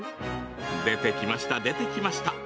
出てきました、出てきました。